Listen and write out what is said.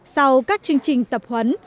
sau các chương trình tập huấn